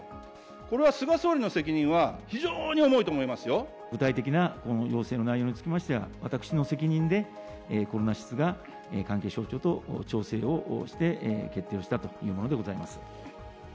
これは菅総理の責任は、非常に重具体的な、この要請の内容につきましては、私の責任でコロナ室が関係省庁と調整をして、決定をしたというものでございます。